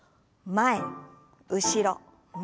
前後ろ前。